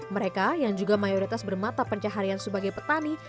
mereka yang juga mayoritas bermata pencaharian sebagai petani